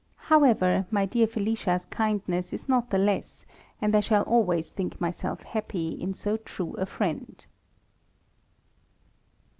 However, my dear Felicia's kindness is not the less, and I shall always think myself happy in so^true a friend.